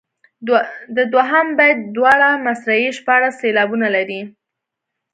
د دوهم بیت دواړه مصرعې شپاړس سېلابونه لري.